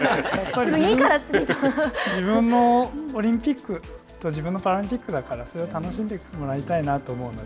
自分のオリンピック自分のパラリンピックだからそれを楽しんでもらいたいなと思うので。